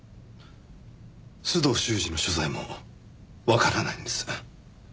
須藤修史の所在もわからないんです。